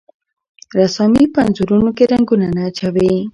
رسامي په انځورونو کې رنګونه نه اچوي.